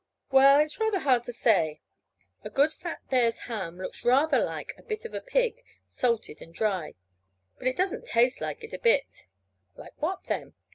"Well, it's rather hard to say. A good fat bear's ham looks rather like a bit of a pig salted and dried; but it doesn't taste like it a bit." "Like what, then?"